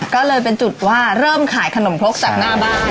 ก็เลยเป็นจุดว่าเริ่มขายขนมครกจากหน้าบ้าน